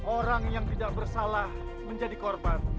orang yang tidak bersalah menjadi korban